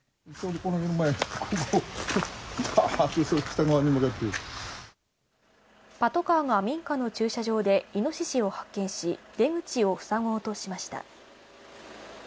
この辺まで、パトカーが民家の駐車場で、イノシシを発見し、出口を塞ごうとしました。